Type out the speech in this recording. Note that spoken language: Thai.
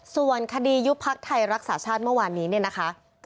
ส่วนคดียุบพักไทยรักษาชาติเมื่อวานนี้เนี่ยนะคะ